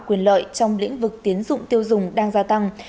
quyền lợi trong lĩnh vực tiến dụng tiêu dùng đang gia tăng